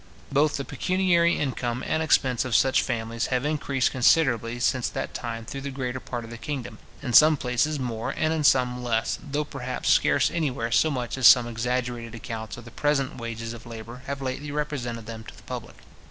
Both the pecuniary income and expense of such families have increased considerably since that time through the greater part of the kingdom, in some places more, and in some less, though perhaps scarce anywhere so much as some exaggerated accounts of the present wages of labour have lately represented them to the public.